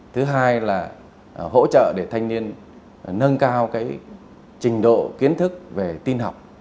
thứ hai là hỗ trợ để thanh niên nâng cao trình độ kiến thức về tin học